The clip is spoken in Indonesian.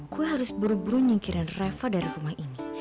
gue harus buru buru nyingkirin reva dari rumah ini